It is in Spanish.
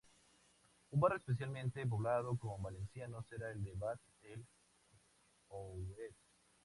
Un barrio especialmente poblado con valencianos era el de Bab el Oued.